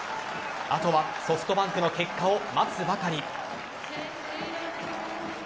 あとはソフトバンクの結果を待つばかり。